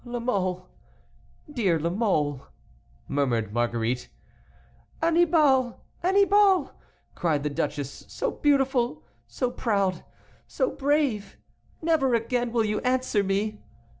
"La Mole! Dear La Mole!" murmured Marguerite. "Annibal! Annibal!" cried the duchess, "so beautiful! so proud! so brave! Never again will you answer me!"